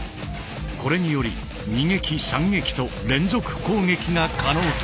これにより２撃３撃と連続攻撃が可能となる。